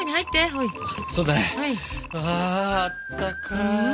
ああったかい。